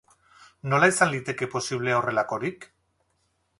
Nola izan liteke posible horrelakorik?